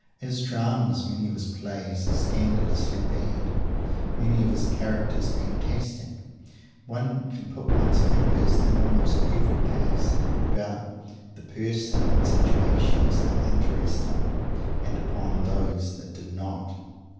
As Dramas, many of his plays are scandalously bad; many of his characters fantastic. One can put one's finger in almost every case upon the persons and situations that interested him and upon those that did not.